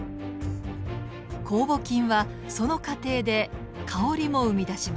こうぼ菌はその過程で香りも生み出します。